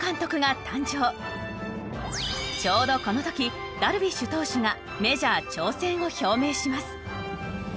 ちょうどこの時ダルビッシュ投手がメジャー挑戦を表明します。